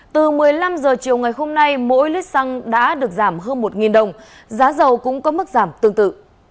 từ một mươi năm h chiều ngày hôm nay mỗi lít xăng đã được giảm hơn một đồng giá dầu cũng có mức giảm tương tự